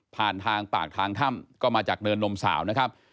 ทางปากทางถ้ำก็มาจากเนินนมสาวนะครับ